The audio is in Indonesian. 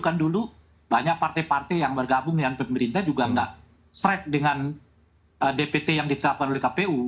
kan dulu banyak partai partai yang bergabung dengan pemerintah juga nggak straight dengan dpt yang ditetapkan oleh kpu